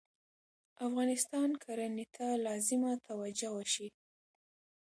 افغانستان کرهنې ته لازمه توجه وشي